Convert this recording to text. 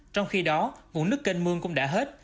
trong khi đó nguồn nước kênh mương cũng đã hết